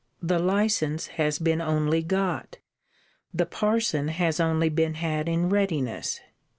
The license has been only got! The parson has only been had in readiness!